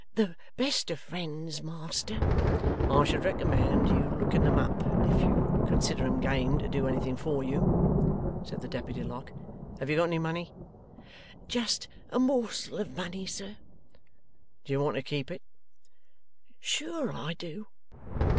'The best of friends, Master.' 'I should recommend your looking 'em up if you consider 'em game to do anything for you,' said the Deputy Lock. 'Have you got any money?' 'Just a morsel of money, sir.' 'Do you want to keep it?' 'Sure I do!